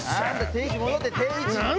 定位置に戻って定位置に。